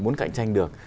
muốn cạnh tranh được